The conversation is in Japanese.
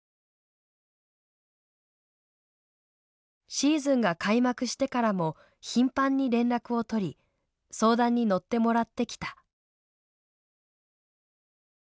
シーズンが開幕してからも頻繁に連絡を取り相談に乗ってもらってきた。